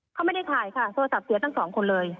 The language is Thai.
เขาไม่ได้ถ่ายค่ะโทรศัพท์เสียทั้งสองคนเลย